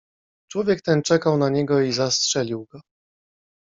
"Człowiek ten czekał na niego i zastrzelił go."